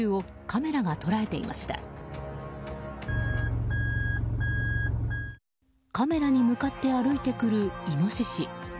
カメラに向かって歩いてくるイノシシ。